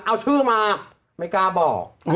เอาชื่อมาไม่กล้าบอก